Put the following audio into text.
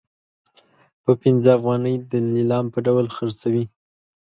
په پنځه افغانۍ د لیلام په ډول خرڅوي.